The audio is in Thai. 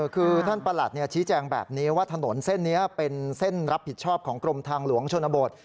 คือท่านประหลัดชี้แจงแบบนี้ว่าถนนเส้นนี้เป็นเส้นรับผิดชอบของกรมทางหลวงชนบท